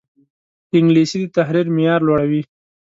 انګلیسي د تحریر معیار لوړوي